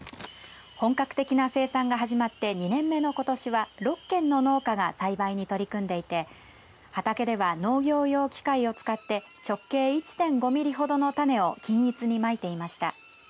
本格的な生産が始まって２年目のことしは６軒の農家が栽培に取り組んでいて畑では農業用機械を使って直径１．５ミリほどの種を均一にまいていました。